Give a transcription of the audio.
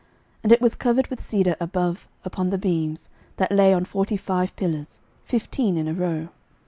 11:007:003 And it was covered with cedar above upon the beams, that lay on forty five pillars, fifteen in a row.